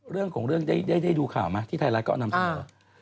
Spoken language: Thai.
เรื่องของเรื่องได้ดูข่าวไหมที่ไทยรัฐก็เอานำเสนอ